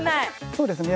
そうですね